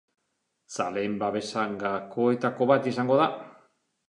Zaleen babesa gakoetako bat izango da.